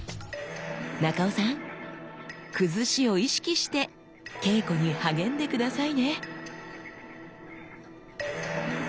中尾さん「崩し」を意識して稽古に励んで下さいね！